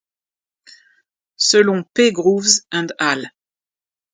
Selon P Groves & al.